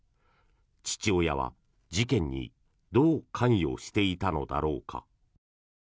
父親は事件にどう関与していたのだろうか。